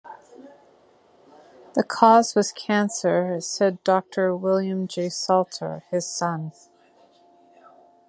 The cause was cancer, said Doctor William J. Salter, his son.